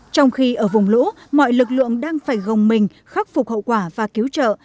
trong khi ở vùng lũ mọi lực lượng đang phải gồng mình khắc phục hậu quả và cứu trợ